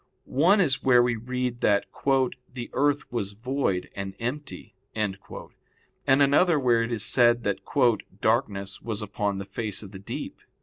One is where we read that "the earth was void and empty," and another where it is said that "darkness was upon the face of the deep."